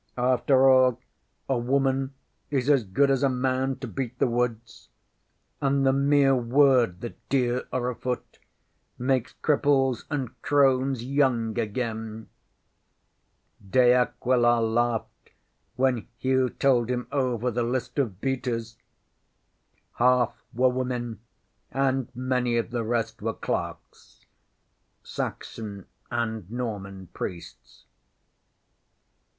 ŌĆśAfter all, a woman is as good as a man to beat the woods, and the mere word that deer are afoot makes cripples and crones young again. De Aquila laughed when Hugh told him over the list of beaters. Half were women; and many of the rest were clerks Saxon and Norman priests.